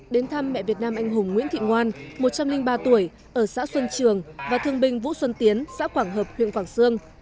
đến thăm mẹ việt nam anh hùng nguyễn thị ngoan một trăm linh ba tuổi ở xã xuân trường và thương binh vũ xuân tiến xã quảng hợp huyện quảng sương